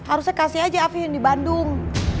harusnya kasih aja api yang di bandung